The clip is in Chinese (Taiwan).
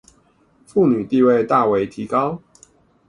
婦女地位大為提高